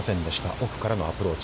奥からのアプローチ。